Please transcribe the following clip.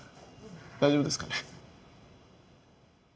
大丈夫ですかね。